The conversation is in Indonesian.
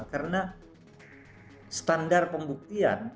karena standar pembuktian